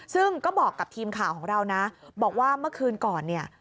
ซึ่งก็บอกกับทีมข่าวของเรานะบอกว่าเมื่อคืนก่อนเนี่ย